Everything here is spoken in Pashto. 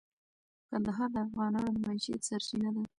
کندهار د افغانانو د معیشت سرچینه ده.